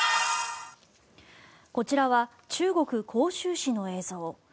こちらは中国・杭州市の映像。